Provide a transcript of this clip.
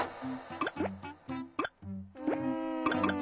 うん。